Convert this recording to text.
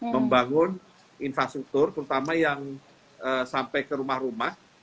membangun infrastruktur terutama yang sampai ke rumah rumah